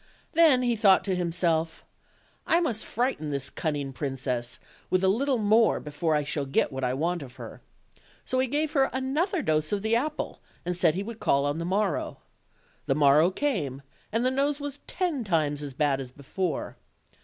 Then he thought to himself, "I must frighten this cunning princess a little more before I shall get what I want of her;" so he gave her another dose of the apple, and said he would call on the morrow. The morrow came, and the nose was ten times as bad as before.